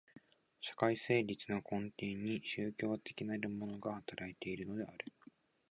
社会成立の根底に宗教的なるものが働いているのである。